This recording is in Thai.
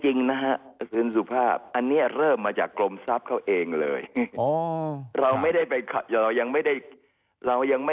จริงนะฮะถือกสินสุภาพอันเนี่ยเริ่มมาจากกรมทรัพย์เขาเองเลยอ๋อ